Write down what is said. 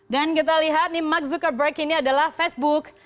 dan kita lihat nih mark zuckerberg ini adalah facebook